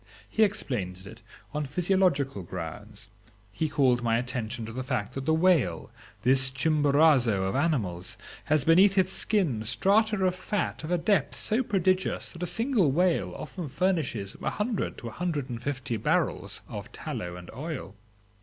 He explained it on physiological grounds; he called my attention to the fact that the whale, this Chimborazo of animals, has beneath its skin strata of fat of a depth so prodigious that a single whale often furnishes a hundred to a hundred and fifty barrels of tallow and oil.